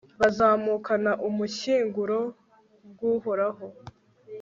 bazamukana ubushyinguro bw'uhoraho